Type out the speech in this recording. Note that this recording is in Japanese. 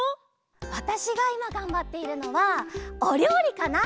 わたしがいまがんばっているのはおりょうりかな！